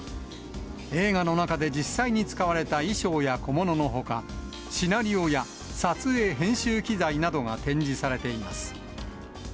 映画の中で実際に使われた衣装や小物のほか、シナリオや撮影・編集機材などが展示されています。